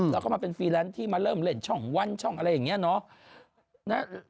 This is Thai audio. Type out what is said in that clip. แล้วก็มาเป็นฟรีแลนซ์ที่มาเริ่มเล่นช่องวันช่องอะไรอย่างนี้เนาะ